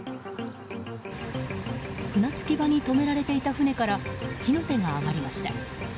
船着き場に止められていた船から火の手が上がりました。